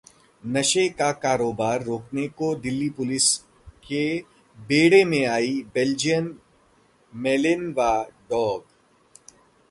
नशे का कारोबार रोकने को दिल्ली पुलिस के बेड़े में आए बेल्जियन मेलिनवा डॉग